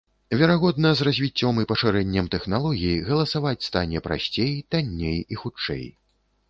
Верагодна, з развіццём і пашырэннем тэхналогій галасаваць стане прасцей, танней і хутчэй.